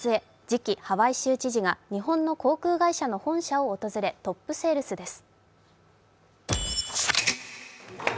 次期ハワイ州知事が日本の航空会社の本社を訪れトップセールスです。